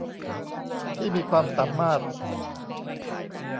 ที่มีความสามารถ